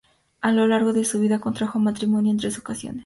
A lo largo de su vida contrajo matrimonio en tres ocasiones.